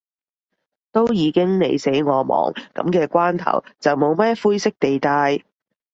都已經你死我亡，噉嘅關頭，就冇咩灰色地帶